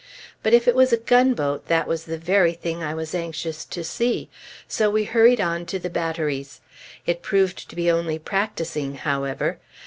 But if it was a gunboat, that was the very thing I was anxious to see; so we hurried on to the batteries. It proved to be only practicing, however.